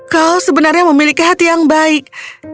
kau sebenarnya memiliki hati yang baik